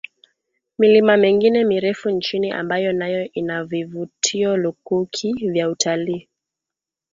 milima mengine mirefu nchini ambayo nayo ina vivutio lukuki vya utalii